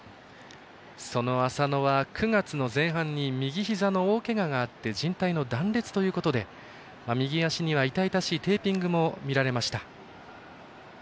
その浅野は９月前半にひざの大けががあってじん帯の断裂ということで右足には痛々しいテーピングも見られました。